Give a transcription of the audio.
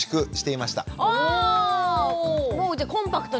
もうじゃコンパクトに。